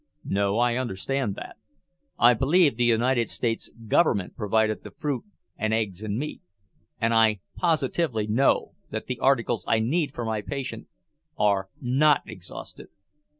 "No. I understand that. I believe the United States Government provided the fruit and eggs and meat. And I positively know that the articles I need for my patient are not exhausted.